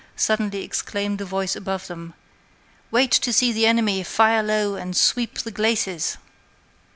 suddenly exclaimed a voice above them; wait to see the enemy; fire low, and sweep the glacis.'